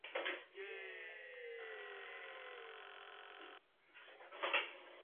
梅特乔辛一带原为沙利殊原住民族的地域。